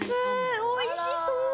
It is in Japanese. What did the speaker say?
おいしそう！